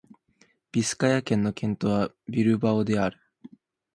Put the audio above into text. ビスカヤ県の県都はビルバオである